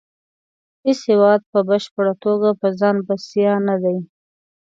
هیڅ هیواد په بشپړه توګه په ځان بسیا نه دی